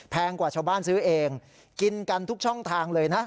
กว่าชาวบ้านซื้อเองกินกันทุกช่องทางเลยนะ